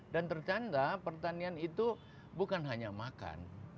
dan ternyata pertanian itu bukan hanya makan